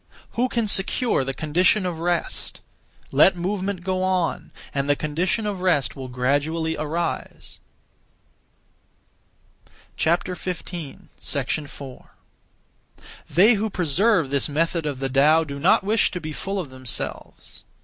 Who can secure the condition of rest? Let movement go on, and the condition of rest will gradually arise. 4. They who preserve this method of the Tao do not wish to be full (of themselves).